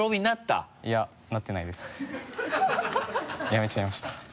辞めちゃいました。